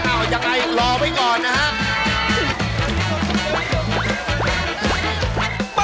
อ้าวอย่างไรรอไว้ก่อนนะฮะ